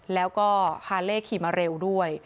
แล้วก็ฮาเล่ขี่มาเร็วด้วย